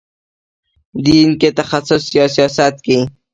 دین کې تخصص یا سیاست کې.